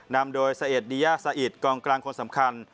นำโดยสะเอดดียาสะอิดกองกลางคนสำคัญ